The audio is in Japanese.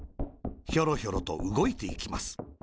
ひょろひょろと、うごいていきます。